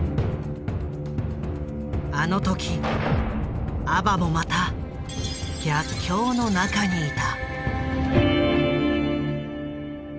あの時ＡＢＢＡもまた逆境の中にいた。